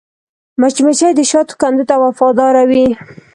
مچمچۍ د شاتو کندو ته وفاداره وي